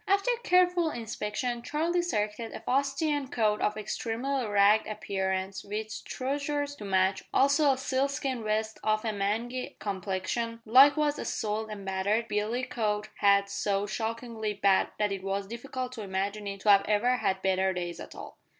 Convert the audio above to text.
After careful inspection Charlie selected a fustian coat of extremely ragged appearance, with trousers to match, also a sealskin vest of a mangy complexion, likewise a soiled and battered billycock hat so shockingly bad that it was difficult to imagine it to have ever had better days at all.